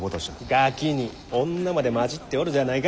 ガキに女まで交じっておるではないか！